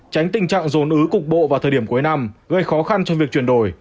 tránh tình trạng dồn ứ cục bộ vào thời điểm cuối năm gây khó khăn cho việc chuyển đổi